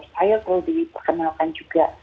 sayur perlu diperkenalkan juga